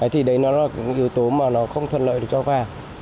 thì đấy là yếu tố mà nó không thuận lợi được cho vàng